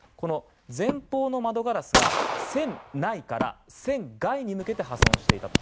前方の窓ガラスが船内から船外に向けて破損していたと。